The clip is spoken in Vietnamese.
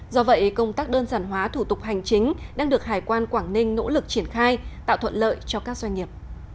do vậy công tác đơn giản hóa thủ tục hành chính đang được hải quan quảng ninh nỗ lực triển khai tạo thuận lợi cho các doanh nghiệp